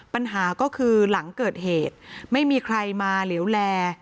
ปัญหาก็คือหลังเกิดเหตุไม่มีใครมาเหลวแล